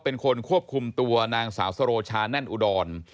เป็นคนควบคุมตัวนางสาวสโรชาแน่นอุดร